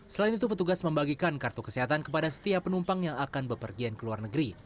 selain itu petugas membagikan kartu kesehatan kepada setiap penumpang yang akan bepergian ke luar negeri